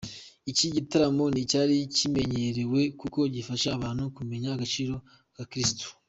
Iki gitaramo nticyari kimenyerewe kuko gifasha abantu kumenya agaciro ka Kirisitu.